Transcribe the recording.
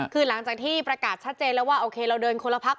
คือหลังจากที่ประกาศชัดเจนแล้วว่าโอเคเราเดินคนละพัก